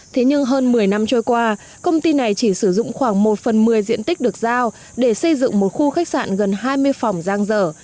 thế nhưng hơn một mươi năm trôi qua công ty này chỉ sử dụng khoảng một phần một mươi diện tích được giao để xây dựng một khu khách sạn gần hai mươi phòng giang dở